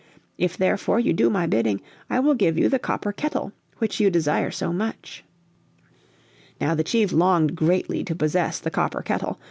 If therefore you do my bidding I will give to you the copper kettle which you desire so much." Now the chief longed greatly to possess the copper kettle.